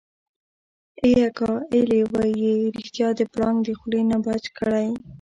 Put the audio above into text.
ای اکا ای لېوه يې رښتيا د پړانګ د خولې نه بچ کړی.